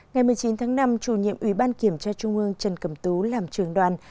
ngày một mươi chín tháng năm chủ nhiệm ủy ban kiểm tra trung ương trần cầm tú làm trường đoàn